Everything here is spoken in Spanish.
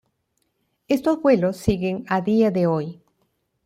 Estos vuelos siguen a día de hoy.